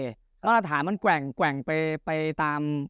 แล้วราฐานมันแกว่งไปไปตาม